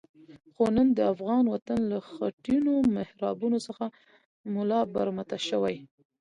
خو نن د افغان وطن له خټینو محرابونو څخه ملا برمته شوی.